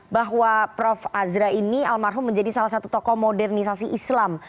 bahwa prof azra ini almarhum menjadi salah satu tokoh modernisasi islam